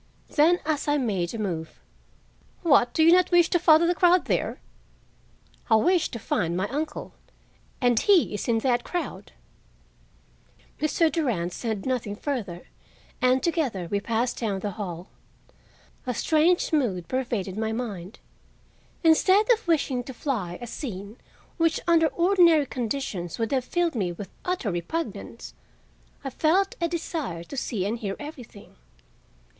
Then, as I made a move, "What you do not wish to follow the crowd there?" "I wish to find my uncle, and he is in that crowd." Mr. Durand said nothing further, and together we passed down the hall. A strange mood pervaded my mind. Instead of wishing to fly a scene which under ordinary conditions would have filled me with utter repugnance, I felt a desire to see and hear everything.